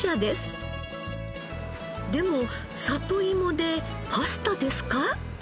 でも里いもでパスタですか？